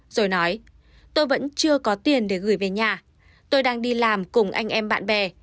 rồi nói tôi vẫn chưa có tiền để gửi về nhà tôi đang đi làm cùng anh em bạn bè